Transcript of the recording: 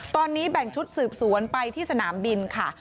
ตอนนี้แบ่งชุดสืบสวนไปที่สนามบินค่ะ